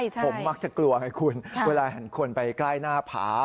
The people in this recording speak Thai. ผมมักจะกลัวไงคุณเวลาเห็นคนไปใกล้หน้าผา